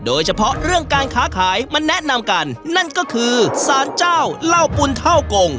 โดยเฉพาะเรื่องการค้าขายมาแนะนำกันนั่นก็คือสารเจ้าเหล้าปุ่นเท่ากง